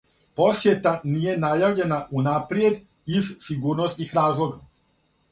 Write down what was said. Посјета није најављена унапријед из сигурносних разлога.